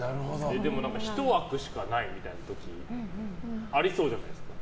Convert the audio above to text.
でも、１枠しかないみたいな時ありそうじゃないですか。